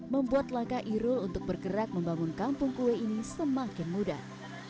membuat langkah irul untuk bergerak membangun kampung kue ini semakin mudah